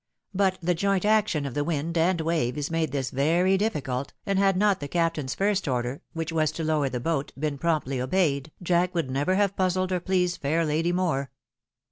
But the joint action of the wind and waves made this very difficult, and had not the captain's first order, which was to lower the boat, been promptly obeyed. Jack would never have puzzled or pleased fair lady more.